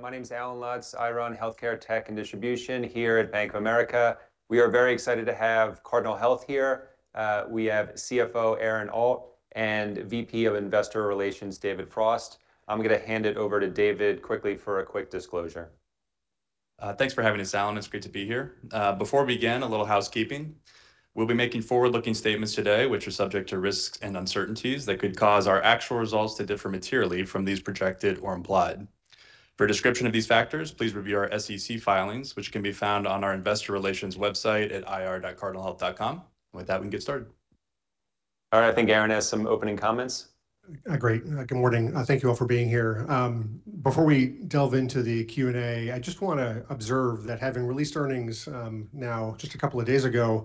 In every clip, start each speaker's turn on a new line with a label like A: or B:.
A: My name's Allen Lutz. I run Healthcare, Tech and Distribution here at Bank of America. We are very excited to have Cardinal Health here. We have CFO Aaron Alt and VP of Investor Relations David Frost. I'm gonna hand it over to David quickly for a quick disclosure.
B: Thanks for having us, Allen. It's great to be here. Before we begin, a little housekeeping. We'll be making forward-looking statements today, which are subject to risks and uncertainties that could cause our actual results to differ materially from these projected or implied. For a description of these factors, please review our SEC filings, which can be found on our investor relations website at ir.cardinalhealth.com. With that, we can get started.
C: I think Aaron has some opening comments.
D: Great. Good morning. Thank you all for being here. Before we delve into the Q&A, I just wanna observe that having released earnings, now just a couple of days ago,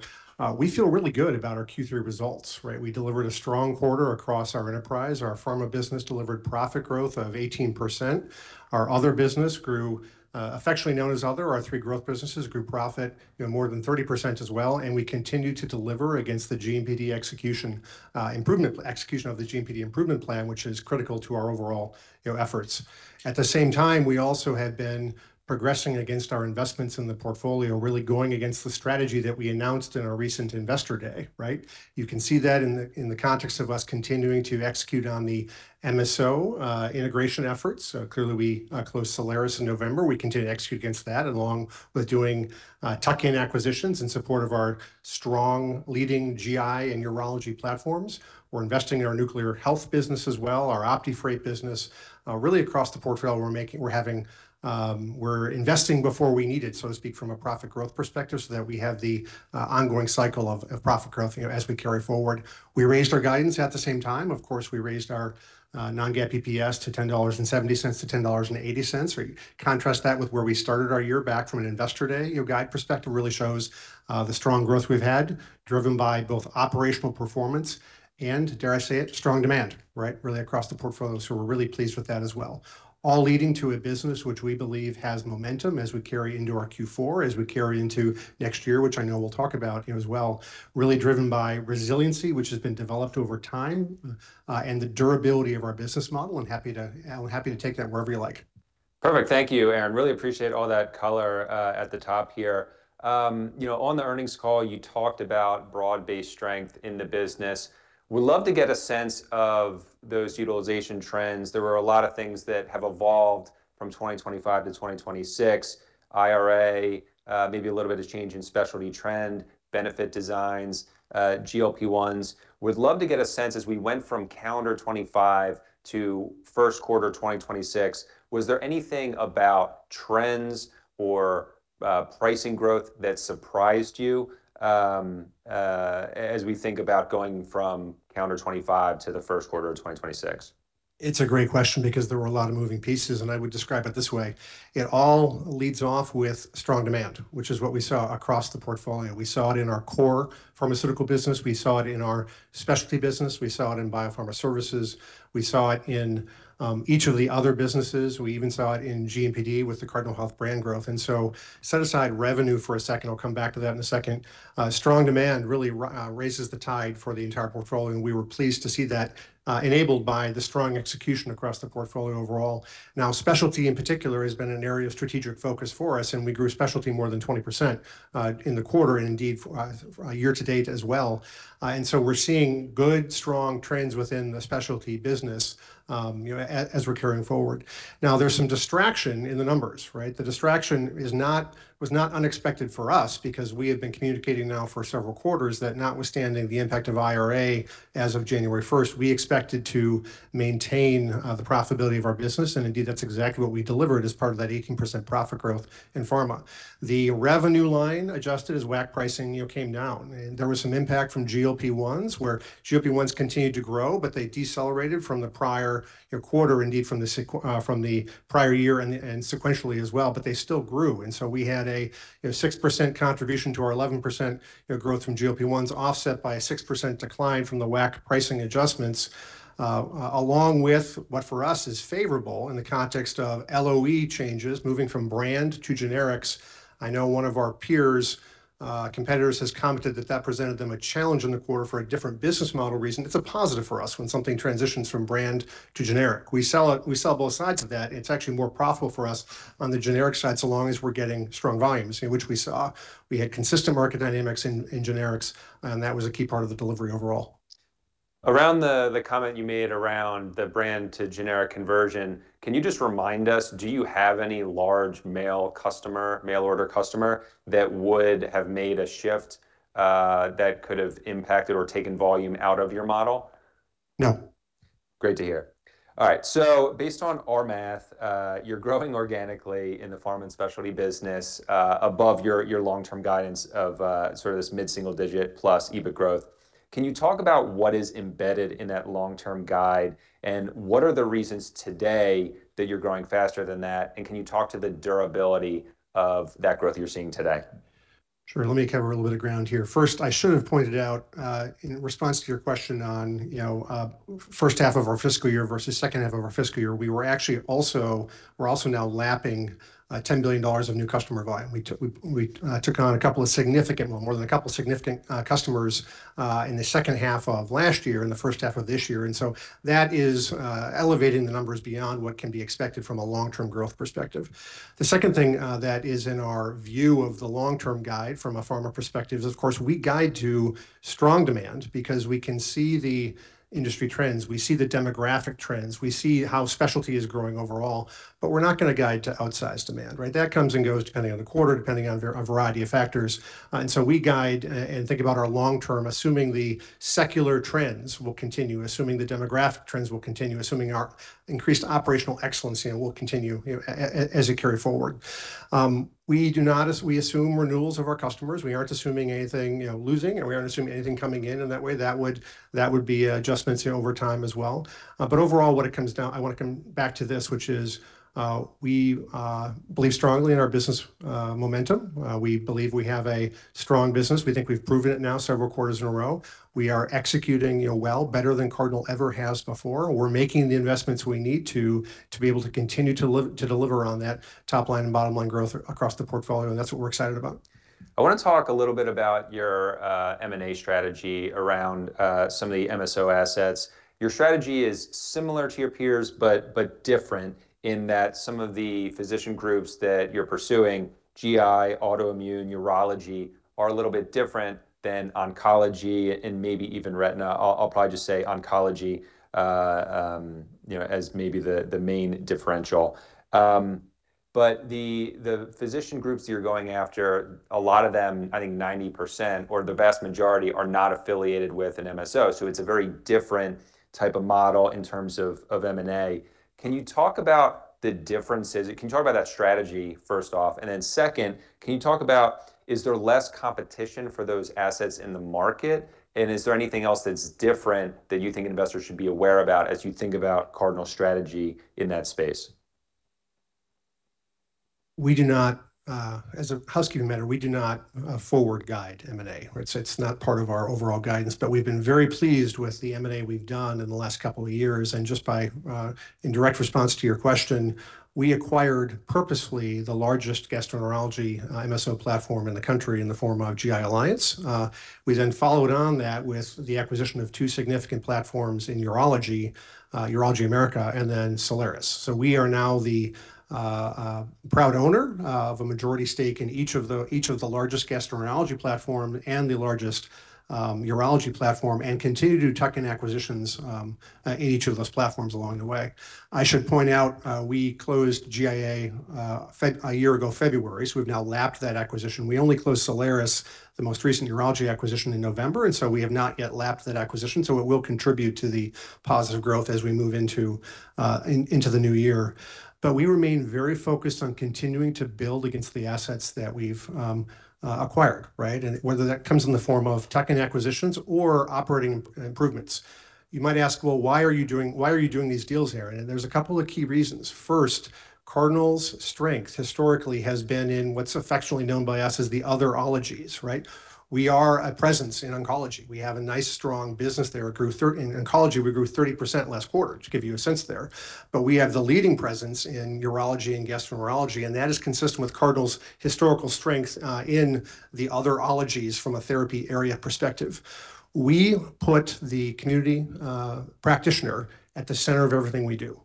D: we feel really good about our Q3 results, right? We delivered a strong quarter across our enterprise. Our pharma business delivered profit growth of 18%. Our other business grew, affectionately known as other, our three growth businesses grew profit, you know, more than 30% as well, and we continue to deliver against the execution of the GMPD improvement plan, which is critical to our overall, you know, efforts. At the same time, we also had been progressing against our investments in the portfolio, really going against the strategy that we announced in our recent Investor Day, right? You can see that in the context of us continuing to execute on the MSO integration efforts. Clearly we closed Solaris in November. We continue to execute against that, along with doing tuck-in acquisitions in support of our strong leading GI and urology platforms. We're investing in our nuclear health business as well, our OptiFreight business. Really across the portfolio we're investing before we need it, so to speak, from a profit growth perspective, so that we have the ongoing cycle of profit growth, you know, as we carry forward. We raised our guidance at the same time. Of course, we raised our non-GAAP EPS to $10.70-$10.80. We contrast that with where we started our year back from an Investor Day. Your guide perspective really shows the strong growth we've had, driven by both operational performance and, dare I say it, strong demand, right, really across the portfolio. We're really pleased with that as well, all leading to a business which we believe has momentum as we carry into our Q4, as we carry into next year, which I know we'll talk about, you know, as well, really driven by resiliency, which has been developed over time and the durability of our business model. I'm happy to take that wherever you like.
C: Perfect. Thank you, Aaron. Really appreciate all that color at the top here. You know, on the earnings call, you talked about broad-based strength in the business. Would love to get a sense of those utilization trends. There were a lot of things that have evolved from 2025 to 2026, IRA, maybe a little bit of change in specialty trend, benefit designs, GLP-1s. Would love to get a sense as we went from calendar 2025 to first quarter 2026, was there anything about trends or pricing growth that surprised you as we think about going from calendar 2025 to the first quarter of 2026?
D: It's a great question because there were a lot of moving pieces, and I would describe it this way. It all leads off with strong demand, which is what we saw across the portfolio. We saw it in our core pharmaceutical business. We saw it in our specialty business. We saw it in biopharma services. We saw it in each of the other businesses. We even saw it in GMPD with the Cardinal Health Brand growth. Set aside revenue for a second. I'll come back to that in a second. Strong demand really raises the tide for the entire portfolio, and we were pleased to see that enabled by the strong execution across the portfolio overall. Specialty in particular has been an area of strategic focus for us, and we grew specialty more than 20% in the quarter and indeed for year to date as well. We're seeing good, strong trends within the specialty business, you know, as we're carrying forward. There's some distraction in the numbers, right? The distraction was not unexpected for us because we have been communicating now for several quarters that notwithstanding the impact of IRA as of January first, we expected to maintain the profitability of our business, and indeed that's exactly what we delivered as part of that 18% profit growth in pharma. The revenue line adjusted as WAC pricing, you know, came down, and there was some impact from GLP-1s, where GLP-1s continued to grow, but they decelerated from the prior, you know, quarter, indeed from the prior year and sequentially as well, but they still grew. We had a, you know, 6% contribution to our 11%, you know, growth from GLP-1s, offset by a 6% decline from the WAC pricing adjustments, along with what for us is favorable in the context of LOE changes, moving from brand to generics. I know one of our peers, competitors has commented that that presented them a challenge in the quarter for a different business model reason. It's a positive for us when something transitions from brand to generic. We sell it, we sell both sides of that. It's actually more profitable for us on the generic side, so long as we're getting strong volumes, you know, which we saw. We had consistent market dynamics in generics. That was a key part of the delivery overall.
C: Around the comment you made around the brand to generic conversion, can you just remind us, do you have any large mail customer, mail order customer that would have made a shift that could have impacted or taken volume out of your model?
D: No.
C: Great to hear. All right. Based on our math, you're growing organically in the pharma and specialty business above your long-term guidance of sort of this mid-single-digit plus EBIT growth. Can you talk about what is embedded in that long-term guide, and what are the reasons today that you're growing faster than that, and can you talk to the durability of that growth you're seeing today?
D: Sure. Let me cover a little bit of ground here. First, I should have pointed out, in response to your question on, you know, first half of our fiscal year versus second half of our fiscal year, we're also now lapping $10 billion of new customer volume. We took on a couple of significant, well, more than a couple of significant customers in the second half of last year and the first half of this year. That is elevating the numbers beyond what can be expected from a long-term growth perspective. The second thing that is in our view of the long-term guide from a pharma perspective is, of course, we guide to strong demand because we can see the industry trends. We see the demographic trends. We see how specialty is growing overall. We're not going to guide to outsize demand, right? That comes and goes depending on the quarter, depending on a variety of factors. We guide and think about our long term assuming the secular trends will continue, assuming the demographic trends will continue, assuming our increased operational excellency, you know, will continue, you know, as it carry forward. We do not we assume renewals of our customers. We aren't assuming anything, you know, losing, and we aren't assuming anything coming in in that way. That would be adjustments, you know, over time as well. Overall I want to come back to this, which is, we believe strongly in our business momentum. We believe we have a strong business. We think we've proven it now several quarters in a row. We are executing, you know, well, better than Cardinal ever has before. We're making the investments we need to be able to continue to deliver on that top line and bottom line growth across the portfolio. That's what we're excited about.
C: I wanna talk a little bit about your M&A strategy around some of the MSO assets. Your strategy is similar to your peers but different in that some of the physician groups that you're pursuing, GI, autoimmune, urology, are a little bit different than oncology and maybe even retina. I'll probably just say oncology, as maybe the main differential. The physician groups you're going after, a lot of them, I think 90% or the vast majority are not affiliated with an MSO. So it's a very different type of model in terms of M&A. Can you talk about the differences? Can you talk about that strategy first off? Second, can you talk about is there less competition for those assets in the market, and is there anything else that's different that you think investors should be aware about as you think about Cardinal's strategy in that space?
D: We do not, as a housekeeping matter, we do not forward guide M&A, right? It's not part of our overall guidance. We've been very pleased with the M&A we've done in the last couple of years. Just by, in direct response to your question, we acquired purposely the largest gastroenterology MSO platform in the country in the form of GI Alliance. We followed on that with the acquisition of two significant platforms in urology, Urology America and Solaris. We are now the proud owner of a majority stake in each of the largest gastroenterology platform and the largest urology platform, and continue to tuck in acquisitions in each of those platforms along the way. I should point out, we closed GIA a year ago February, so we've now lapped that acquisition. We only closed Solaris, the most recent urology acquisition in November, and so we have not yet lapped that acquisition, so it will contribute to the positive growth as we move into the new year. We remain very focused on continuing to build against the assets that we've acquired, right? Whether that comes in the form of tuck-in acquisitions or operating improvements. You might ask, "Well, why are you doing these deals, Aaron?" There's couple of key reasons. First, Cardinal's strength historically has been in what's affectionately known by us as the other ologies, right? We are a presence in oncology. We have a nice, strong business there. It grew in oncology, we grew 30% last quarter, to give you a sense there. We have the leading presence in urology and gastroenterology, and that is consistent with Cardinal's historical strength in the other ologies from a therapy area perspective. We put the community practitioner at the center of everything we do.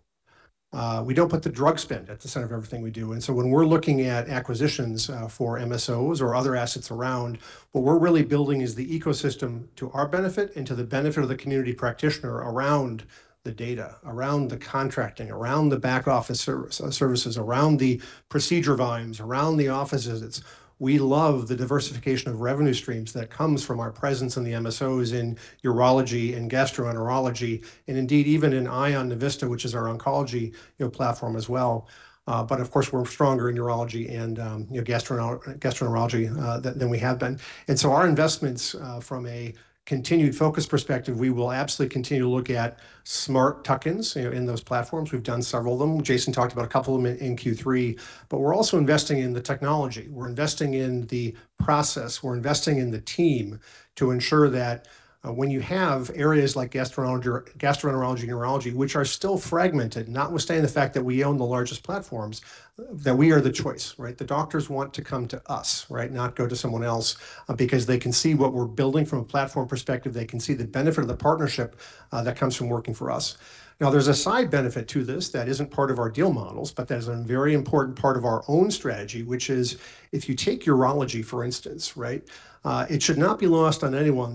D: We don't put the drug spend at the center of everything we do. When we're looking at acquisitions for MSOs or other assets around, what we're really building is the ecosystem to our benefit and to the benefit of the community practitioner around the data, around the contracting, around the back office services, around the procedure volumes, around the offices. We love the diversification of revenue streams that comes from our presence in the MSOs in urology and gastroenterology, and indeed even in Navista, which is our oncology, you know, platform as well. Of course, we're stronger in urology and, you know, gastroenterology than we have been. Our investments, from a continued focus perspective, we will absolutely continue to look at smart tuck-ins, you know, in those platforms. We've done several of them. Jason talked about a couple of them in Q3. We're also investing in the technology. We're investing in the process. We're investing in the team to ensure that when you have areas like gastroenterology and urology, which are still fragmented, notwithstanding the fact that we own the largest platforms, that we are the choice, right? The doctors want to come to us, right, not go to someone else, because they can see what we're building from a platform perspective. They can see the benefit of the partnership that comes from working for us. There's a side benefit to this that isn't part of our deal models, but that is a very important part of our own strategy, which is if you take urology, for instance, right, it should not be lost on anyone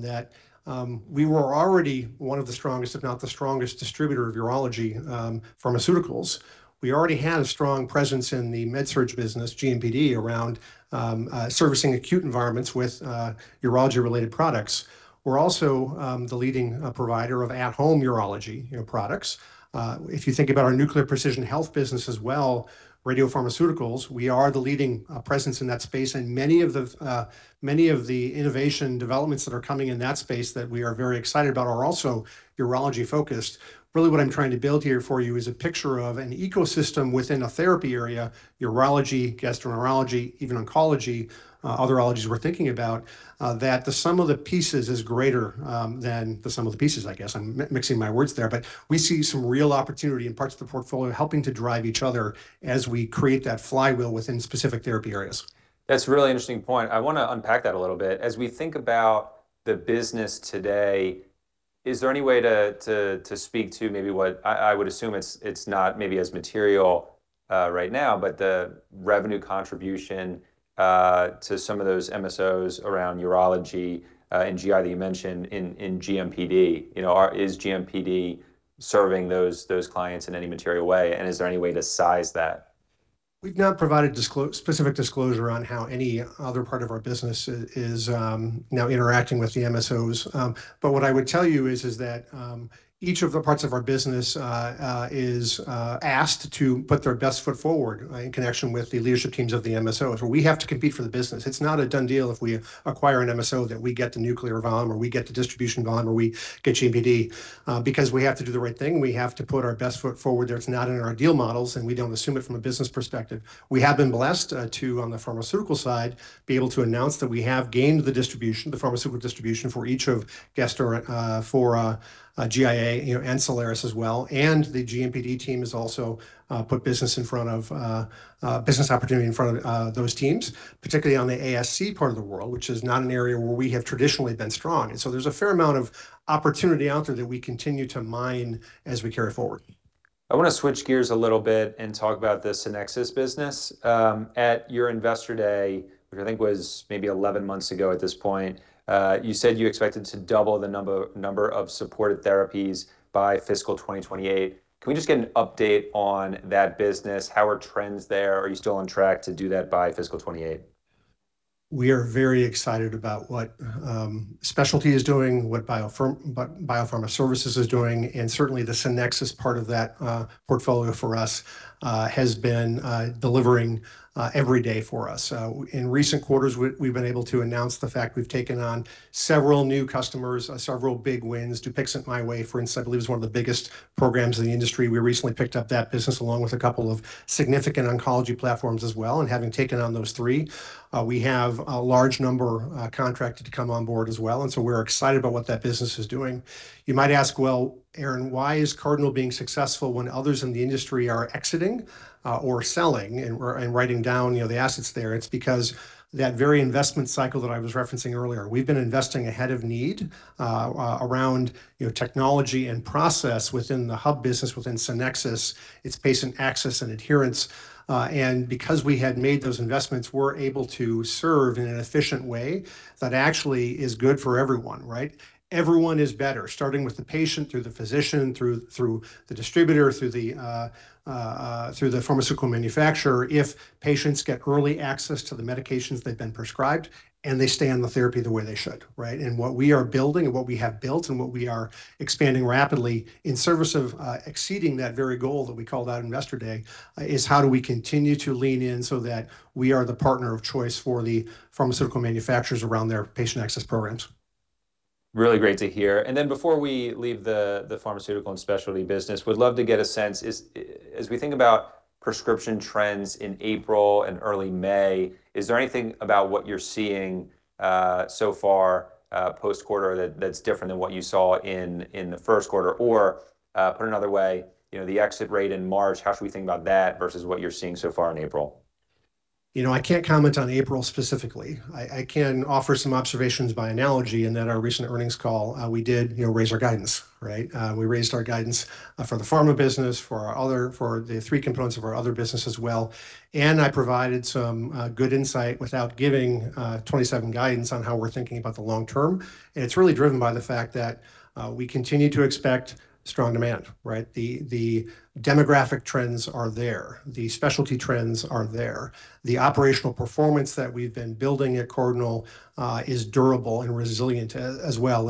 D: that we were already one of the strongest, if not the strongest distributor of urology pharmaceuticals. We already had a strong presence in the MedSurg business, GMPD, around servicing acute environments with urology-related products. We're also the leading provider of at-home urology products. If you think about our Nuclear and Precision Health Solutions as well, radiopharmaceuticals, we are the leading presence in that space, and many of the many of the innovation developments that are coming in that space that we are very excited about are also urology-focused. Really what I'm trying to build here for you is a picture of an ecosystem within a therapy area, urology, gastroenterology, even oncology, other ologies we're thinking about, that the sum of the pieces is greater than the sum of the pieces, I guess. Mixing my words there. We see some real opportunity in parts of the portfolio helping to drive each other as we create that flywheel within specific therapy areas.
C: That's a really interesting point. I wanna unpack that a little bit. As we think about the business today. Is there any way to speak to maybe I would assume it's not as material right now, but the revenue contribution to some of those MSOs around urology and GI that you mentioned in GMPD. You know, is GMPD serving those clients in any material way, and is there any way to size that?
D: We've not provided specific disclosure on how any other part of our business is now interacting with the MSOs. What I would tell you is that each of the parts of our business is asked to put their best foot forward in connection with the leadership teams of the MSOs. We have to compete for the business. It's not a done deal if we acquire an MSO that we get the Nuclear volume, or we get the distribution volume, or we get GMPD, because we have to do the right thing. We have to put our best foot forward. There's not in our deal models, and we don't assume it from a business perspective. We have been blessed to, on the pharmaceutical side, be able to announce that we have gained the distribution, the pharmaceutical distribution for each of Gastro for GIA, you know, and Solaris as well. The GMPD team has also put business in front of business opportunity in front of those teams, particularly on the ASC part of the world, which is not an area where we have traditionally been strong. There's a fair amount of opportunity out there that we continue to mine as we carry forward.
C: I wanna switch gears a little bit and talk about this Sonexus business. At your Investor Day, which I think was maybe 11 months ago at this point, you said you expected to double the number of supported therapies by fiscal 2028. Can we just get an update on that business? How are trends there? Are you still on track to do that by fiscal 2028?
D: We are very excited about what specialty is doing, what biopharma services is doing, and certainly the Sonexus part of that portfolio for us has been delivering every day for us. In recent quarters, we've been able to announce the fact we've taken on several new customers, several big wins. DUPIXENT MyWay, for instance, I believe, is one of the biggest programs in the industry. We recently picked up that business along with a couple of significant oncology platforms as well, and having taken on those three, we have a large number contracted to come on board as well. We're excited about what that business is doing. You might ask, "Well, Aaron Alt, why is Cardinal being successful when others in the industry are exiting, or selling and writing down, you know, the assets there?" It's because that very investment cycle that I was referencing earlier, we've been investing ahead of need, around, technology and process within the hub business, within Sonexus. It's patient access and adherence. Because we had made those investments, we're able to serve in an efficient way that actually is good for everyone, right? Everyone is better, starting with the patient, through the physician, through the distributor, through the pharmaceutical manufacturer if patients get early access to the medications they've been prescribed and they stay on the therapy the way they should, right? What we are building and what we have built and what we are expanding rapidly in service of, exceeding that very goal that we called out Investor Day, is how do we continue to lean in so that we are the partner of choice for the pharmaceutical manufacturers around their patient access programs.
C: Really great to hear. Before we leave the pharmaceutical and specialty business, would love to get a sense. As we think about prescription trends in April and early May, is there anything about what you're seeing so far post-quarter that's different than what you saw in the first quarter? Put another way, you know, the exit rate in March, how should we think about that versus what you're seeing so far in April?
D: I can't comment on April specifically. I can offer some observations by analogy in that our recent earnings call, we did raise our guidance, right? We raised our guidance for the pharma business, for the three components of our other business as well. I provided some good insight without giving 27 guidance on how we're thinking about the long term. It's really driven by the fact that we continue to expect strong demand, right? The demographic trends are there. The specialty trends are there. The operational performance that we've been building at Cardinal is durable and resilient as well.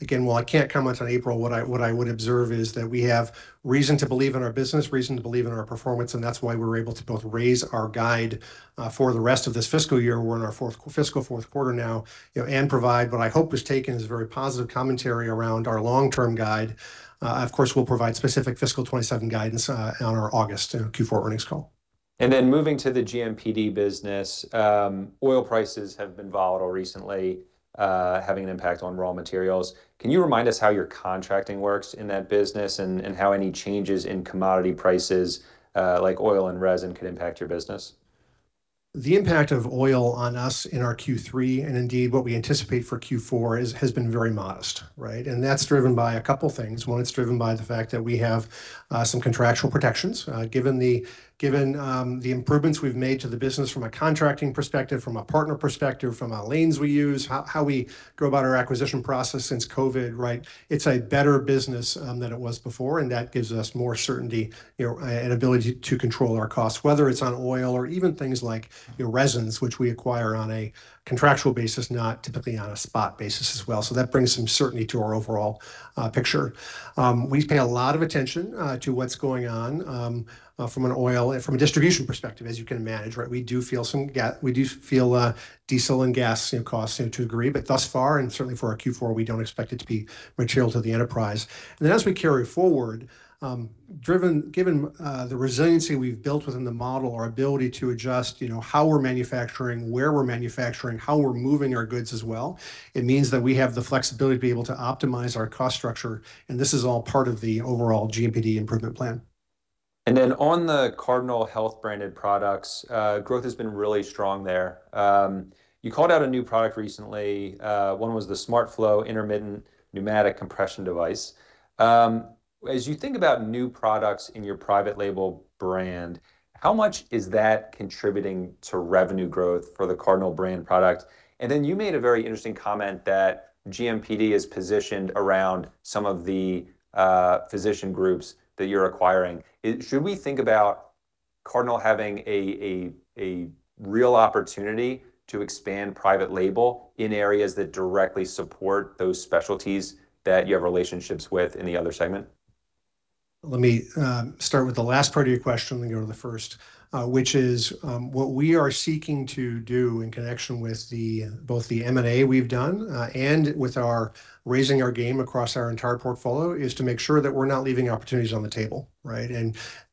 D: Again, while I can't comment on April, what I would observe is that we have reason to believe in our business, reason to believe in our performance, and that's why we're able to both raise our guide for the rest of this fiscal year. We're in our fiscal fourth quarter now, you know, and provide what I hope is taken as very positive commentary around our long-term guide. Of course, we'll provide specific fiscal 2027 guidance on our August Q4 earnings call.
C: Moving to the GMPD business, oil prices have been volatile recently, having an impact on raw materials. Can you remind us how your contracting works in that business and how any changes in commodity prices, like oil and resin could impact your business?
D: The impact of oil on us in our Q3, indeed what we anticipate for Q4 has been very modest, right? That's driven by a couple things. One, it's driven by the fact that we have some contractual protections, given the improvements we've made to the business from a contracting perspective, from a partner perspective, from our lanes we use, how we go about our acquisition process since COVID, right? It's a better business than it was before, that gives us more certainty, you know, and ability to control our costs, whether it's on oil or even things like, you know, resins, which we acquire on a contractual basis, not typically on a spot basis as well. That brings some certainty to our overall picture. We pay a lot of attention to what's going on from an oil and from a distribution perspective, as you can imagine, right? We do feel diesel and gas, you know, costs, you know, to a degree. Thus far, and certainly for our Q4, we don't expect it to be material to the enterprise. Then as we carry forward, given the resiliency we've built within the model, our ability to adjust, you know, how we're manufacturing, where we're manufacturing, how we're moving our goods as well, it means that we have the flexibility to be able to optimize our cost structure, and this is all part of the overall GMPD improvement plan.
C: On the Cardinal Health branded products, growth has been really strong there. You called out a new product recently. One was the SmartFlow Compression Device. As you think about new products in your private label brand, how much is that contributing to revenue growth for the Cardinal Health Brand product? You made a very interesting comment that GMPD is positioned around some of the physician groups that you're acquiring. Should we think about Cardinal Health having a real opportunity to expand private label in areas that directly support those specialties that you have relationships with in the other segment?
D: Let me start with the last part of your question, then go to the first. Which is what we are seeking to do in connection with the, both the M&A we've done, and with our raising our game across our entire portfolio, is to make sure that we're not leaving opportunities on the table, right?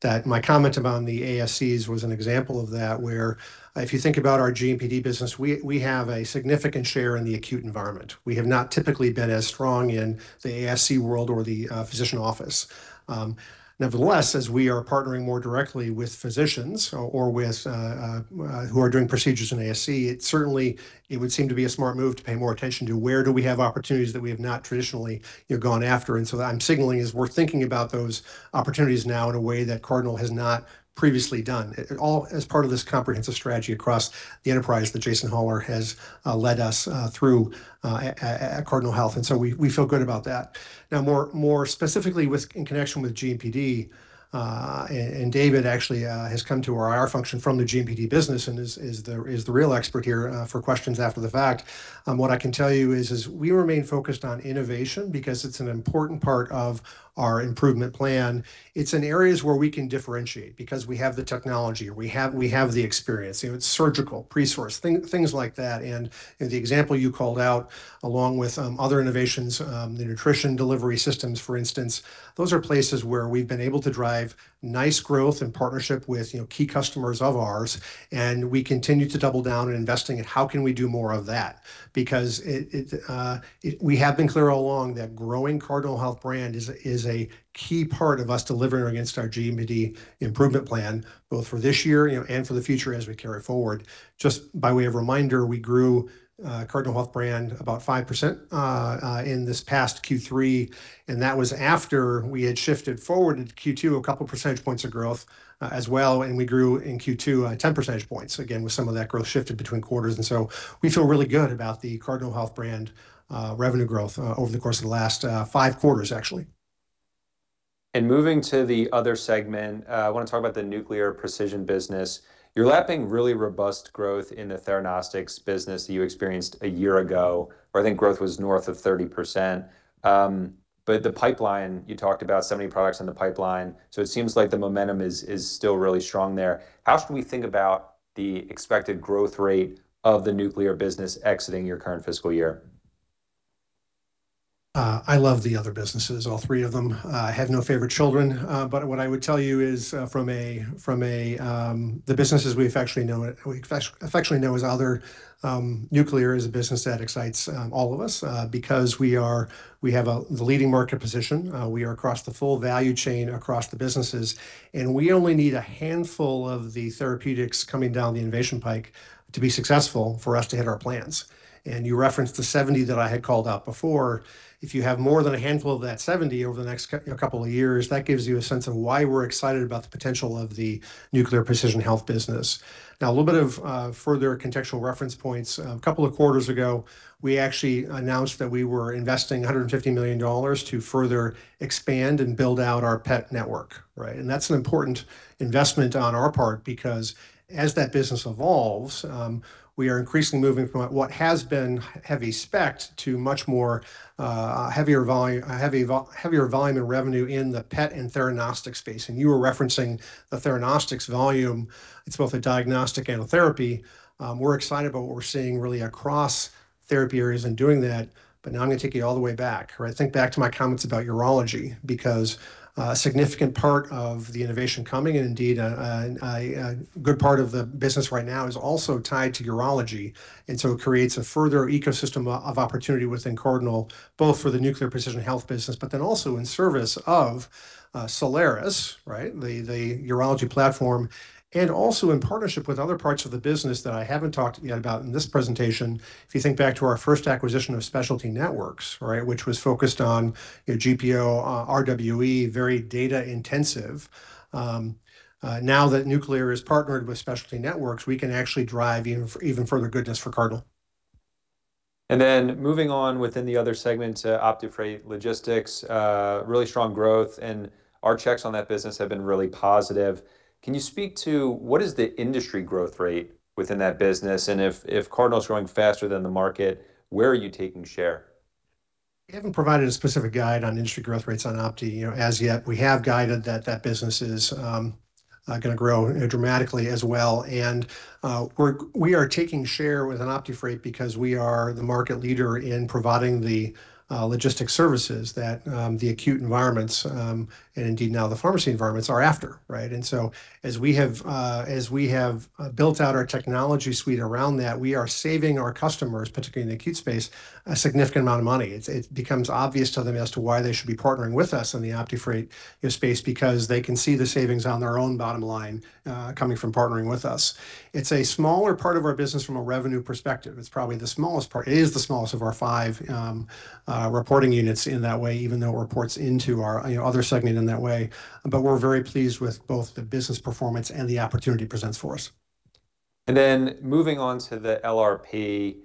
D: That my comment about the ASCs was an example of that, where, if you think about our GMPD business, we have a significant share in the acute environment. We have not typically been as strong in the ASC world or the physician office. Nevertheless, as we are partnering more directly with physicians or with who are doing procedures in ASC, it certainly, it would seem to be a smart move to pay more attention to where do we have opportunities that we have not traditionally, you know, gone after. What I'm signaling is we're thinking about those opportunities now in a way that Cardinal has not previously done. It all as part of this comprehensive strategy across the enterprise that Jason Hollar has led us through at Cardinal Health. We feel good about that. Now more specifically with, in connection with GMPD, and David actually has come to our IR function from the GMPD business and is the real expert here for questions after the fact. What I can tell you is we remain focused on innovation because it's an important part of our improvement plan. It's in areas where we can differentiate because we have the technology or we have, we have the experience. You know, it's surgical, Presource, things like that. In the example you called out, along with other innovations, the nutrition delivery systems, for instance, those are places where we've been able to drive nice growth and partnership with, you know, key customers of ours. We continue to double down in investing in how can we do more of that. Because we have been clear all along that growing Cardinal Health Brand is a, is a key part of us delivering against our GMPD improvement plan, both for this year, you know, and for the future as we carry it forward. Just by way of reminder, we grew Cardinal Health Brand about 5% in this past Q3. That was after we had shifted forward into Q2 a couple percentage points of growth as well. We grew in Q2 10 percentage points, again, with some of that growth shifted between quarters. We feel really good about the Cardinal Health Brand revenue growth over the course of the last five quarters, actually.
C: Moving to the other segment, I wanna talk about the Nuclear and Precision business. You're lapping really robust growth in the theranostics business that you experienced a year ago, where I think growth was north of 30%. The pipeline, you talked about 70 products in the pipeline, so it seems like the momentum is still really strong there. How should we think about the expected growth rate of the Nuclear business exiting your current fiscal year?
D: I love the other businesses, all three of them. I have no favorite children. But what I would tell you is, the businesses we affectionately know as other, Nuclear and Precision Health is a business that excites all of us, because we have the leading market position. We are across the full value chain across the businesses, we only need a handful of the therapeutics coming down the innovation pike to be successful for us to hit our plans. You referenced the 70 that I had called out before. If you have more than a handful of that 70 over the next couple of years, that gives you a sense of why we're excited about the potential of the Nuclear and Precision Health business. A little bit of further contextual reference points. A couple of quarters ago, we actually announced that we were investing $150 million to further expand and build out our PET network, right. That's an important investment on our part because as that business evolves, we are increasingly moving from what has been heavy SPECT to much more heavier volume and revenue in the PET and theranostics space. You were referencing the theranostics volume. It's both a diagnostic and a therapy. We're excited about what we're seeing really across therapy areas in doing that. Now I'm gonna take you all the way back. Think back to my comments about urology because a significant part of the innovation coming, and indeed a good part of the business right now, is also tied to urology. It creates a further ecosystem of opportunity within Cardinal, both for the Nuclear and Precision Health Solutions business, but then also in service of Solaris, right, the urology platform, and also in partnership with other parts of the business that I haven't talked yet about in this presentation. If you think back to our first acquisition of Specialty Networks, right, which was focused on GPO, RWE, very data intensive. Now that nuclear is partnered with Specialty Networks, we can actually drive even further goodness for Cardinal.
C: Moving on within the other segment to OptiFreight Logistics, really strong growth, and our checks on that business have been really positive. Can you speak to what is the industry growth rate within that business? If Cardinal's growing faster than the market, where are you taking share?
D: We haven't provided a specific guide on industry growth rates on Opti, you know, as yet. We have guided that that business is gonna grow, you know, dramatically as well. We are taking share within OptiFreight because we are the market leader in providing the logistic services that the acute environments and indeed now the pharmacy environments are after, right? As we have built out our technology suite around that, we are saving our customers, particularly in the acute space, a significant amount of money. It becomes obvious to them as to why they should be partnering with us in the OptiFreight, space because they can see the savings on their own bottom line coming from partnering with us. It's a smaller part of our business from a revenue perspective. It's probably the smallest part. It is the smallest of our five, reporting units in that way, even though it reports into our, you know, other segment in that way. We're very pleased with both the business performance and the opportunity it presents for us.
C: Moving on to the LRP.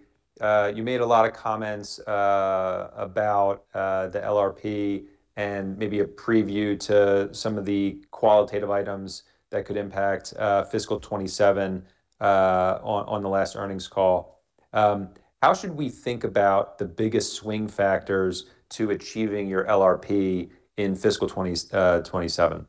C: You made a lot of comments about the LRP and maybe a preview to some of the qualitative items that could impact fiscal 2027 on the last earnings call. How should we think about the biggest swing factors to achieving your LRP in fiscal 2027?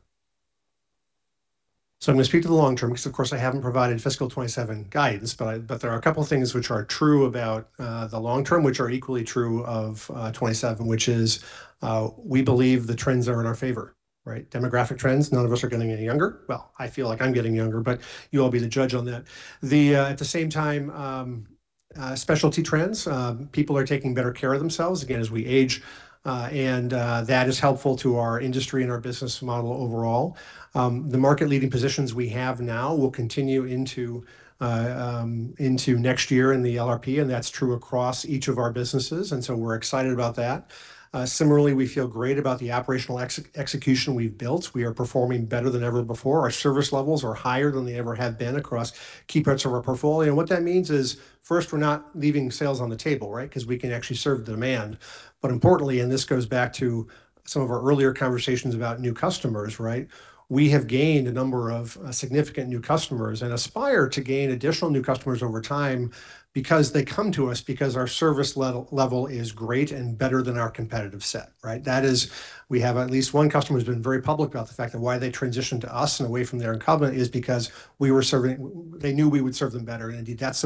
D: I'm going to speak to the long term because of course I haven't provided fiscal 2027 guidance, there are a couple things which are true about the long term, which are equally true of 2027, which is, we believe the trends are in our favor, right? Demographic trends, none of us are getting any younger. Well, I feel like I'm getting younger, you all be the judge on that. At the same time, specialty trends, people are taking better care of themselves, again, as we age, that is helpful to our industry and our business model overall. The market leading positions we have now will continue into next year in the LRP, that's true across each of our businesses, we're excited about that. Similarly, we feel great about the operational execution we've built. We are performing better than ever before. Our service levels are higher than they ever have been across key parts of our portfolio. What that means is, first, we're not leaving sales on the table, right? 'Cause we can actually serve the demand. Importantly, and this goes back to some of our earlier conversations about new customers, right? We have gained a number of significant new customers, and aspire to gain additional new customers over time because they come to us because our service level is great and better than our competitive set, right? That is, we have at least one customer who's been very public about the fact that why they transitioned to us and away from their incumbent is because they knew we would serve them better.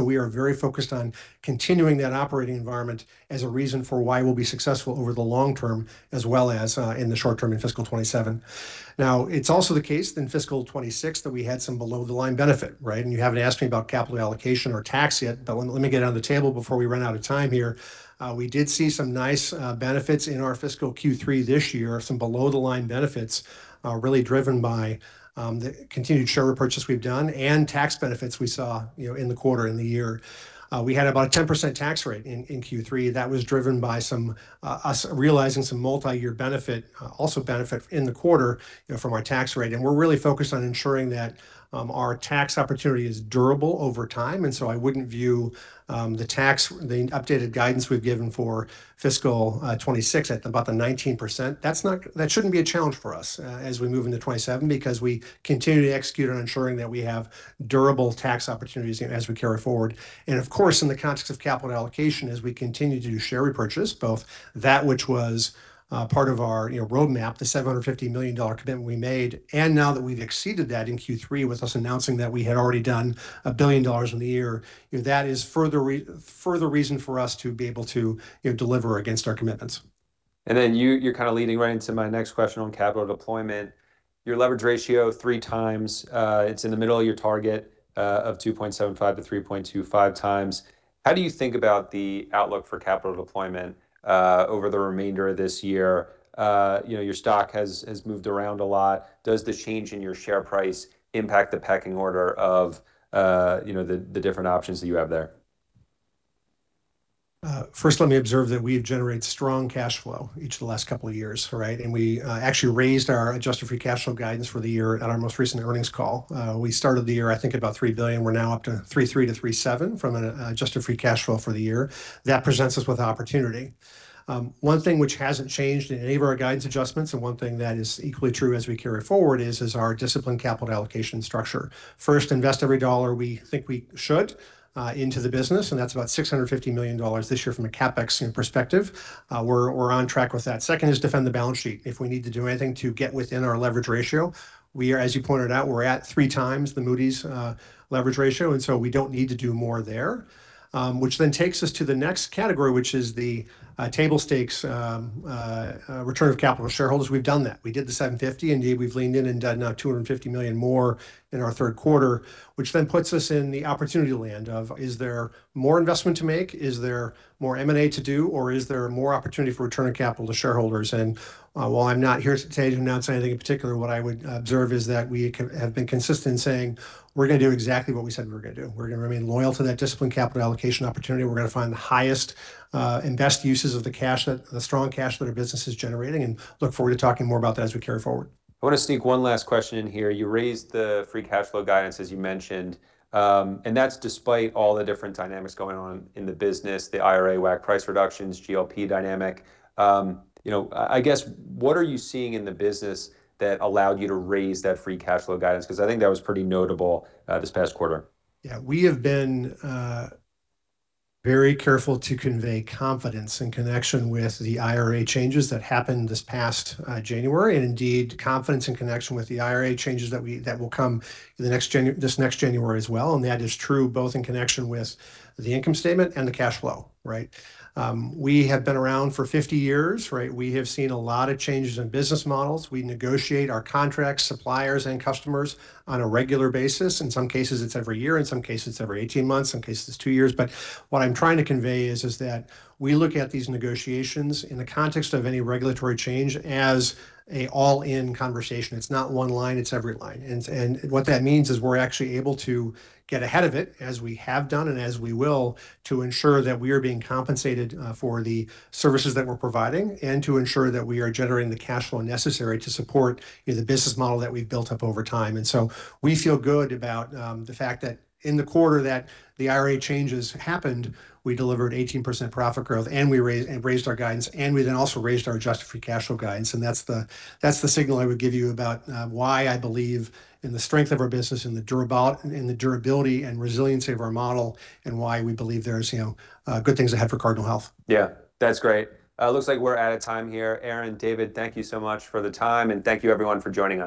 D: We are very focused on continuing that operating environment as a reason for why we'll be successful over the long term as well as in the short term in fiscal 2027. It's also the case in fiscal 2026 that we had some below the line benefit, right? You haven't asked me about capital allocation or tax yet, but let me get it on the table before we run out of time here. We did see some nice benefits in our fiscal Q3 this year, some below the line benefits, really driven by the continued share repurchase we've done and tax benefits we saw, you know, in the quarter, in the year. We had about a 10% tax rate in Q3. That was driven by some us realizing some multi-year benefit, also benefit in the quarter, you know, from our tax rate. We're really focused on ensuring that our tax opportunity is durable over time, so I wouldn't view the tax, the updated guidance we've given for fiscal 2026 at about the 19%. That shouldn't be a challenge for us as we move into 2027 because we continue to execute on ensuring that we have durable tax opportunities, you know, as we carry forward. Of course, in the context of capital allocation, as we continue to do share repurchase, both that which was part of our, you know, roadmap, the $750 million commitment we made, and now that we've exceeded that in Q3 with us announcing that we had already done $1 billion in the year, that is further reason for us to be able to, you know, deliver against our commitments.
C: You're kind of leading right into my next question on capital deployment. Your leverage ratio 3x, it's in the middle of your target of 2.75-3.25x. How do you think about the outlook for capital deployment over the remainder of this year? Your stock has moved around a lot. Does the change in your share price impact the pecking order of the different options that you have there?
D: First, let me observe that we have generated strong cash flow each of the last couple of years, right? We actually raised our adjusted free cash flow guidance for the year at our most recent earnings call. We started the year, I think, at about $3 billion. We're now up to $3.3 billion-$3.7 billion from an adjusted free cash flow for the year. That presents us with opportunity. One thing which hasn't changed in any of our guidance adjustments and one thing that is equally true as we carry it forward is our disciplined capital allocation structure. First, invest every dollar we think we should into the business, and that's about $650 million this year from a CapEx perspective. We're on track with that. Second is defend the balance sheet. If we need to do anything to get within our leverage ratio, we are, as you pointed out, we're at 3x the Moody's leverage ratio, and so we don't need to do more there. Which then takes us to the next category, which is the table stakes return of capital to shareholders. We've done that. We did the $750. Indeed, we've leaned in and done now $250 million more in our third quarter, which then puts us in the opportunity land of is there more investment to make? Is there more M&A to do, or is there more opportunity for returning capital to shareholders? While I'm not here today to announce anything in particular, what I would observe is that we have been consistent in saying we're gonna do exactly what we said we were gonna do. We're gonna remain loyal to that disciplined capital allocation opportunity. We're gonna find the highest and best uses of the strong cash flow that our business is generating, and look forward to talking more about that as we carry forward.
C: I wanna sneak one last question in here. You raised the free cash flow guidance, as you mentioned, and that's despite all the different dynamics going on in the business, the IRA, WAC price reductions, GLP dynamic. You know, I guess what are you seeing in the business that allowed you to raise that free cash flow guidance? Because I think that was pretty notable this past quarter.
D: We have been very careful to convey confidence in connection with the IRA changes that happened this past January, and indeed confidence in connection with the IRA changes that will come in this next January as well, and that is true both in connection with the income statement and the cash flow, right? We have been around for 50 years, right? We have seen a lot of changes in business models. We negotiate our contracts, suppliers, and customers on a regular basis. In some cases, it's every year. In some cases, it's every 18 months. Some cases, it's two years. What I'm trying to convey is that we look at these negotiations in the context of any regulatory change as an all-in conversation. It's not one line, it's every line. What that means is we're actually able to get ahead of it, as we have done and as we will, to ensure that we are being compensated for the services that we're providing and to ensure that we are generating the cashflow necessary to support, you know, the business model that we've built up over time. We feel good about the fact that in the quarter that the IRA changes happened, we delivered 18% profit growth, and we raised our guidance, and we then also raised our adjusted free cashflow guidance. That's the signal I would give you about why I believe in the strength of our business and the durability and resiliency of our model and why we believe there's, you know, good things ahead for Cardinal Health.
C: Yeah. That's great. Looks like we're out of time here. Aaron, David, thank you so much for the time, and thank you everyone for joining us.